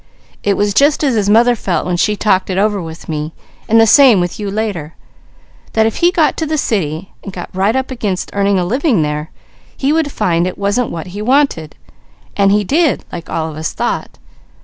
It was just as his mother felt when she first talked it over with me, and the same with you later: that if he got to the city, and got right up against earning a living there, he would find it wasn't what he wanted; and he did, like all of us thought.